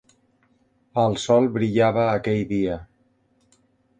El sol brillava aquell dia.